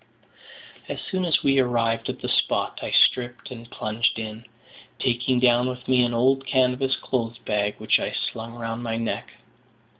As soon as we arrived at the spot, I stripped and plunged in, taking down with me an old canvas clothes bag, which I slung round my neck.